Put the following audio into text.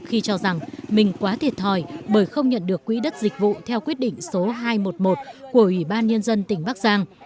khi cho rằng mình quá thiệt thòi bởi không nhận được quỹ đất dịch vụ theo quyết định số hai trăm một mươi một của ủy ban nhân dân tỉnh bắc giang